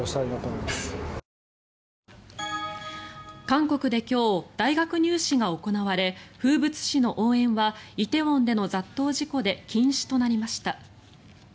韓国で今日大学入試が行われ風物詩の応援は梨泰院での雑踏事故で禁止となりました。